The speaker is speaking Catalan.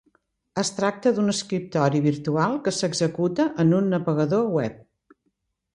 Es tracta d'un escriptori virtual que s'executa en un navegador web.